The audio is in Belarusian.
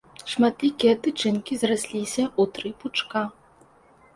Шматлікія тычынкі зрасліся ў тры пучка.